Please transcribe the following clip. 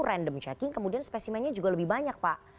random checking kemudian spesimennya juga lebih banyak pak